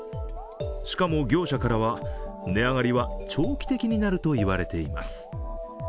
しかも業者からは、値上がりは長期的になると言われています。